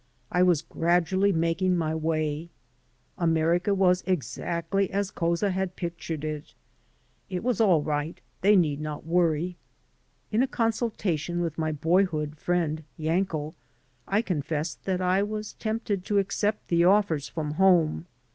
I was gradually making my way. America was exactly as Couza had pictured it. It was all right. They need not worry. In a consultation with my boyhood friend Yankel I confessed that I was tempted to accept the offers from home.